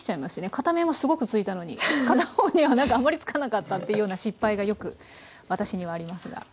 片面はすごく付いたのに片方にはなんかあんまり付かなかったっていうような失敗がよく私にはありますが。